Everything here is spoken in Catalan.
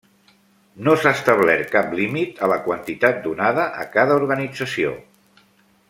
No s'ha establert cap límit a la quantitat donada a cada organització.